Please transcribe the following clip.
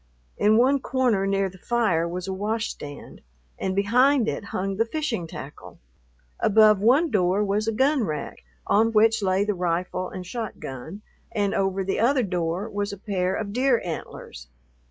In one corner near the fire was a washstand, and behind it hung the fishing tackle. Above one door was a gun rack, on which lay the rifle and shotgun, and over the other door was a pair of deer antlers.